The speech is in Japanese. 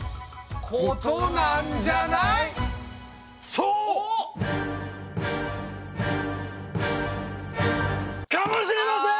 そうかもしれません！